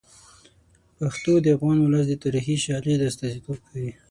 پښتو د افغان ولس د تاریخي شالید استازیتوب کوي.